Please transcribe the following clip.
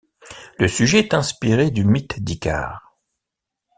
Le sujet est inspiré du mythe d'Icare.